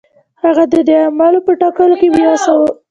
هغه د دې عواملو په ټاکلو کې بې وسه و.